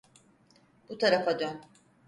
Bu tarafa dön.